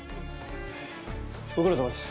ご苦労さまです。